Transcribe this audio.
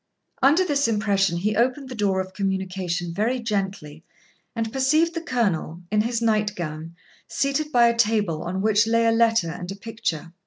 Under this impression he opened the door of communication very gently, and perceived the Colonel, in his night gown, seated by a table, on which lay a letter and a picture.